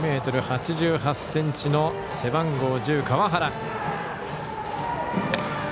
１ｍ８８ｃｍの背番号１０、川原。